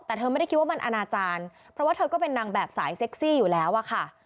แต่เธอไม่ได้คิดว่ามันอนาจารย์เพราะว่าเธอก็เป็นนางแบบสายเซ็กซี่อยู่แล้วอะค่ะ